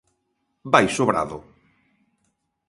Vai sobrado.